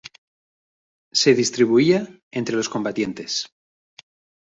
Se distribuía entre los combatientes.